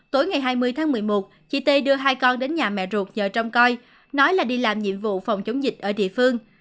tối ngày hai mươi tháng một mươi một chị tê đưa hai con đến nhà mẹ ruột nhờ trong coi nói là đi làm nhiệm vụ phòng chống dịch ở địa phương